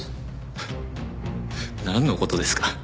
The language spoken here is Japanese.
ハッなんの事ですか？